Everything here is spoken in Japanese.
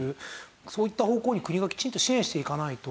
そういった方向に国がきちんと支援していかないと。